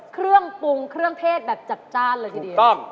เครื่องปรุงเครื่องเทศแบบจัดจ้านเลยทีเดียว